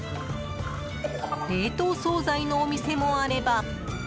冷凍総菜のお店もあれば。